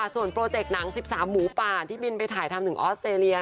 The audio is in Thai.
ส่วนโปรเจกต์หนัง๑๓หมูป่าที่บินไปถ่ายทำถึงออสเตรเลีย